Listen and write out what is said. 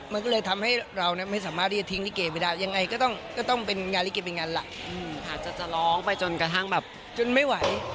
มาก็เลยทำให้เรามัยสามารถทิ้งลิเกเป็นอย่างไร